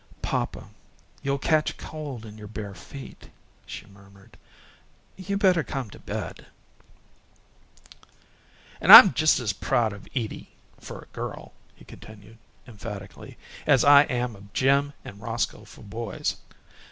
"Papa, you'll catch cold in your bare feet," she murmured. "You better come to bed." "And I'm just as proud of Edie, for a girl," he continued, emphatically, "as I am of Jim and Roscoe for boys.